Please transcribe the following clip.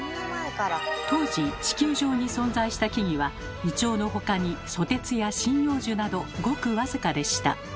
当時地球上に存在した木々はイチョウの他にソテツや針葉樹などごく僅かでした。